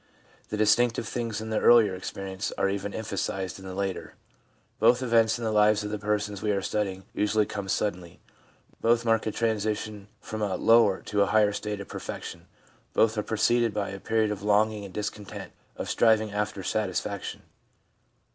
The distinctive things in the earlier experience are even emphasised in the later. Both events in the lives of the persons we are studying usually come suddenly ; both mark a transition from a lower to a higher state of perfection ; both are preceded by a period of longing and discontent — of striving after a satisfaction.